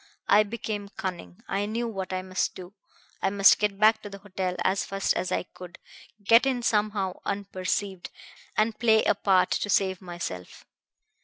I became cunning. I knew what I must do. I must get back to the hotel as fast as I could, get in somehow unperceived, and play a part to save myself.